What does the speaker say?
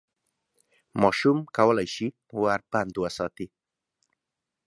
ماشوم کولای شي ور بند وساتي.